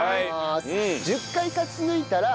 １０回勝ち抜いたら『